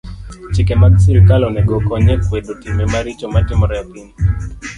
Chike mag sirkal onego okony e kwedo timbe maricho matimore e piny.